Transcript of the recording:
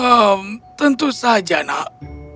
hmm tentu saja nak